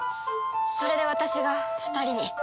それで私が２人に。